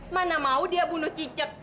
mana mau dia bunuh cicet